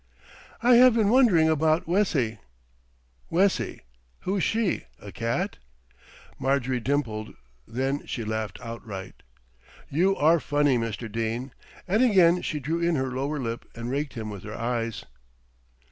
"I have been wondering about Wessie " "Wessie, who's she, a cat?" Marjorie dimpled, then she laughed outright. "You are funny, Mr. Dene," and again she drew in her lower lip and raked him with her eyes.